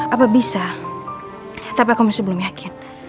apa bisa tetapi aku masih belum yakin